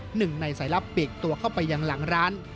หนึ่งในสายลับปีกตัวเข้าไปยังหลังร้าน